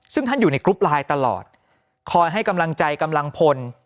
ซึ่งท่านอยู่ในกรุ๊ปไลน์ตลอดคอยให้กำลังใจกำลังพล